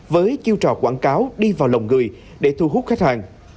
với chiêu trò quảng cáo đi vào lòng người để thu hút khách hàng